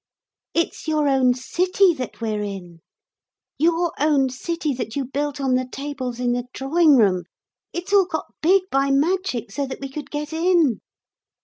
It's your own city that we're in, your own city that you built on the tables in the drawing room? It's all got big by magic, so that we could get in.